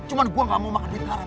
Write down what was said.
cuma gue gak mau makan duit haram